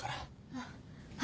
あっはい。